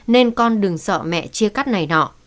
nên con đừng sợ mẹ chia cắt này nọ